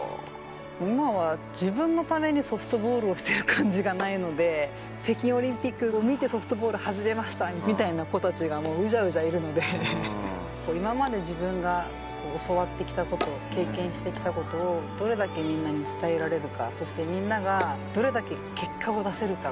今は自分のためにソフトボールをしてる感じがないので、北京オリンピックを見て、ソフトボール始めましたみたいな子たちが、もううじゃうじゃいるので、今まで自分が教わってきたこと、経験してきたことを、どれだけみんなに伝えられるか、そしてみんながどれだけ結果を出せるか。